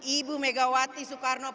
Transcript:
ibu megawati soekarno putri